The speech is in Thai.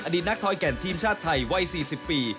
ดีตนักทอยแก่นทีมชาติไทยวัย๔๐ปี